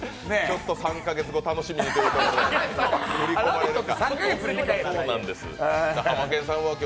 ３か月後、楽しみにということで振り込まれるか。